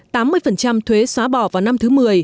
tám mươi thuế xóa bỏ vào năm thứ một mươi